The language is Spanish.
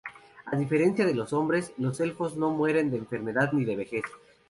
A diferencia de los hombres, los elfos no mueren de enfermedad ni de vejez.